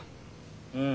うん。